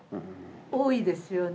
多いですよね。